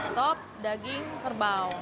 sop daging kerbau